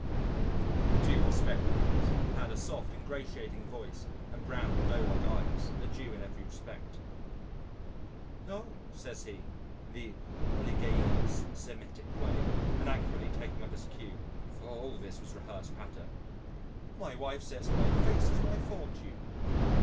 The Jew wore spectacles and had a soft ingratiating voice and brown doe like eyes a Jew in every respect. "Oh!" says he, in the oleaginous Semitic way, and accurately taking up his cue (for all this was rehearsed patter), "my wife says 'my face is my fortune.'"